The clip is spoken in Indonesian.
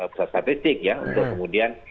pusat statistik ya untuk kemudian